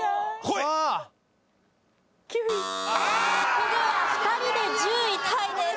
フグは２人で１０位タイです。